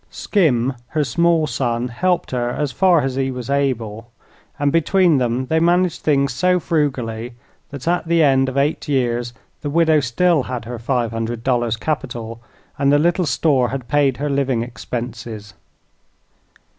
Skim, her small son, helped her as far as he was able, and between them they managed things so frugally that at the end of eight years the widow still had her five hundred dollars capital, and the little store had paid her living expenses.